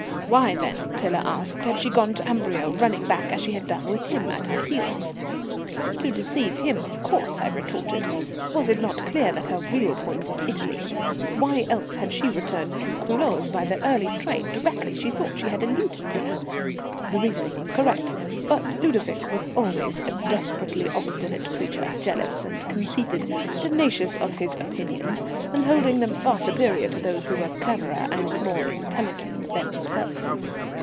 Why, then, Tiler asked, had she gone to Amberieu, running back as she had done with him at her heels? To deceive him, of course, I retorted. Was it not clear that her real point was Italy? Why else had she returned to Culoz by the early train directly she thought she had eluded Tiler? The reasoning was correct, but Ludovic was always a desperately obstinate creature, jealous and conceited, tenacious of his opinions, and holding them far superior to those who were cleverer and more intelligent than himself.